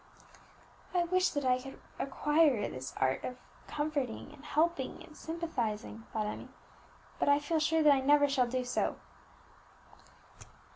"I wish that I could acquire this art of comforting and helping and sympathizing," thought Emmie; "but I feel sure that I never shall do so."